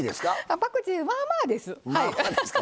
パクチー、まあまあです。